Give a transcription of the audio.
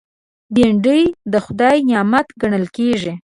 بېنډۍ د خدای نعمت ګڼل کېږي